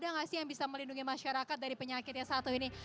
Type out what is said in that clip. jadi itu masih yang bisa melindungi masyarakat dari penyakit yang satu ini